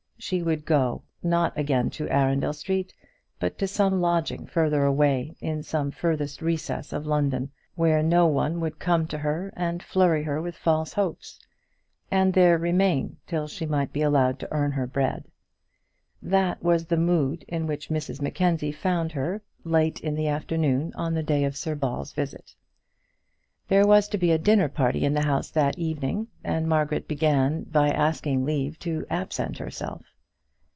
She would go, not again to Arundel Street, but to some lodging further away, in some furthest recess of London, where no one would come to her and flurry her with false hopes, and there remain till she might be allowed to earn her bread. That was the mood in which Mrs Mackenzie found her late in the afternoon on the day of Sir John Ball's visit. There was to be a dinner party in the house that evening, and Margaret began by asking leave to absent herself.